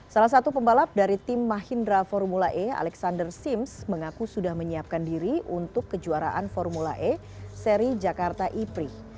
salah satu pembalap dari tim mahindra formula e alexander sims mengaku sudah menyiapkan diri untuk kejuaraan formula e seri jakarta e pri